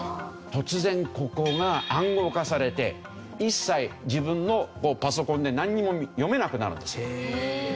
突然ここが暗号化されて一切自分のパソコンでなんにも読めなくなるんですよ。